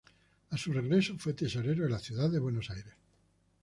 A su regreso fue tesorero de la ciudad de Buenos Aires.